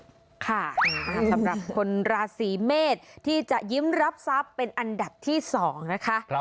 สำหรับคนราศีเมษที่จะยิ้มรับทรัพย์เป็นอันดับที่๒นะคะ